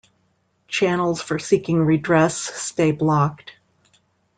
Channels for seeking redress stay blocked.